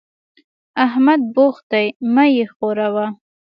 احمد بوخت دی؛ مه يې ښوروه.